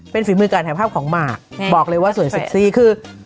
เป็นฝีมือการถ่ายภาพของหมากบอกเลยว่าสวยเซ็กซี่คือ